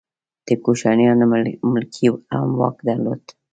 د کوشانیانو ملکې هم واک درلود